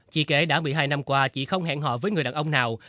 chị kể đã một mươi hai năm qua chị không hẹn hò với người đàn ông nào